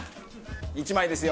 １枚ですよ。